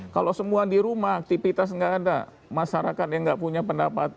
kalau semua di rumah aktivitas nggak ada